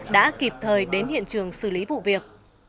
đã kịp thời đến hiện trường xử lý vụ việc